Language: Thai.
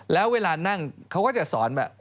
แล้วเวลานั่งเขาก็จะสอนแบบ